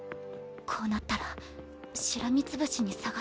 こうなったらしらみつぶしに捜すしか。